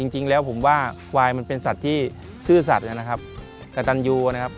จริงแล้วผมว่าควายมันเป็นสัตว์ที่ซื่อสัตว์นะครับกระตันยูนะครับ